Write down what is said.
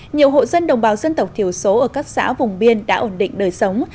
nhiều hộ dân đồng bào dân tộc thiểu số ở các xã vùng biên đã ổn định đời sống